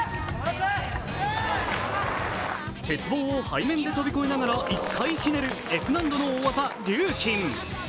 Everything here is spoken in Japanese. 鉄棒を背面で飛び越えながら１回ひねるＦ難度の大技・リューキン。